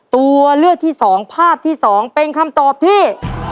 ตัวเลือกที่๒ภาพที่๒เป็นคำตอบที่